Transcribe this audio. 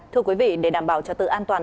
thưa quý vị để đảm bảo cho tự an toàn